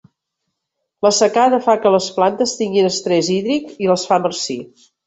La secada fa que les plantes tinguin estrès hídric i les fa marcir.